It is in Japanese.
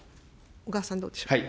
小川さん、どうでしょうか。